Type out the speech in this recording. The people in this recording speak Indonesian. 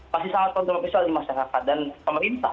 masih sangat kontroversial di masyarakat dan pemerintah